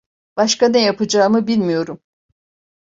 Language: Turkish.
Başka ne yapacağımı bilmiyorum.